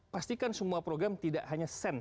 pastikan semua program tidak hanya sense